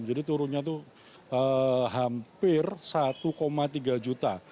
jadi turunnya itu hampir rp satu tiga juta